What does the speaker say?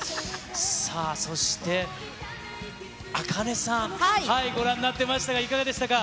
さあ、そしてａｋａｎｅさん、ご覧になってましたが、いかがでしたか？